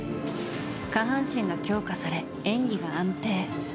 下半身が強化され演技が安定。